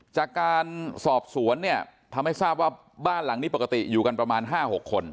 จากการสอบสวนเนี่ยทำให้ทราบว่าบ้านหลังนี้ปกติอยู่กันประมาณ๕๖คน